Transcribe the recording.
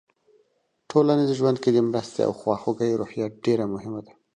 ټولنیز ژوند کې د مرستې او خواخوږۍ روحیه ډېره مهمه ده.